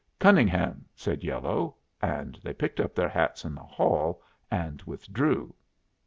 "Cunningham," said yellow, and they picked up their hats in the hall and withdrew.